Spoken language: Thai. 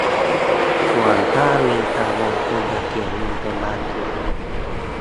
ส่วนถ้ามีการลงทุนจะเสียเงินเป็นบางส่วน